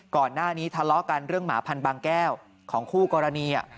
ก่อนหน้านี้ทะเลาะกันเรื่องหมาพันบางแก้วของคู่กรณี